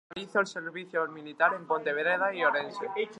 Realizó el servicio militar en Pontevedra y Orense.